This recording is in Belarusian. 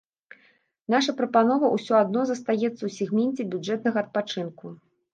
Наша прапанова ўсё адно застаецца ў сегменце бюджэтнага адпачынку.